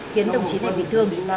khiến đồng chí này bị thương